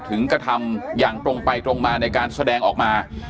กระทำอย่างตรงไปตรงมาในการแสดงออกมา